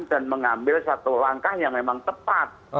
dan mengambil satu langkah yang memang tepat